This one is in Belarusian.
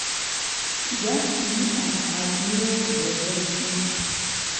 Як і астатнія ў вобласці.